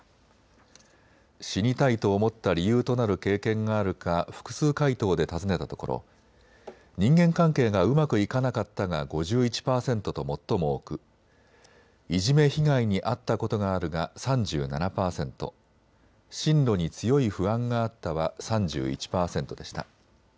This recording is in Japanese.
死にたいと思った理由となる経験があるか複数回答で尋ねたところ人間関係がうまくいかなかったが５１％と最も多く、いじめ被害にあったことがあるが３７％、進路に強い不安があったは３１％でした。